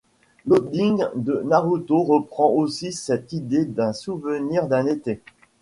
L'ending de Naruto reprend aussi cette idée d'un souvenir d'un été.